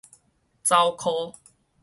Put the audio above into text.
走箍